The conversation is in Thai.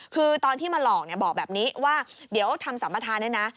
คือตอนที่มาหลอกบอกแบบนี้ว่าเดี๋ยวทำสัมประทานนะ